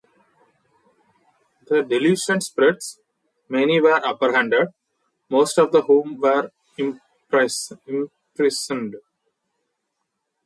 The delusion spread, many were apprehended, most of whom were imprisoned.